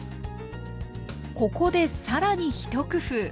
ここで更に一工夫。